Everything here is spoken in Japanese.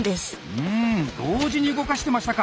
うん同時に動かしてましたか。